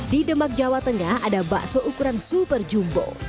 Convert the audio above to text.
di demak jawa tengah ada bakso ukuran super jumbo